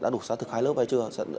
đã đủ xác thực hai lớp hay chưa